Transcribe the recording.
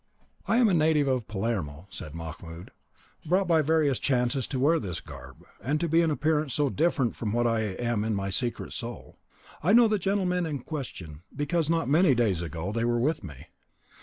"I am a native of Palermo," said Mahmoud, "brought by various chances to wear this garb, and to be in appearance so different from what I am in my secret soul. I know the gentlemen in question, because not many days ago they were with me.